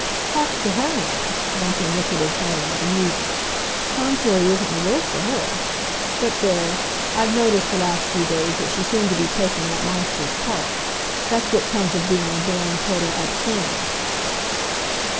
"Hark to her now!" Bunting looked at his Ellen with amusement. "Contrary isn't the word for her! But there, I've noticed the last few days that she seemed to be taking that monster's part. That's what comes of being a born total abstainer."